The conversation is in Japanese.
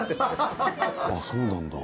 ああそうなんだ。